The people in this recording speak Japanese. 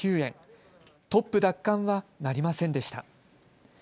トップ奪還はなりませんでした。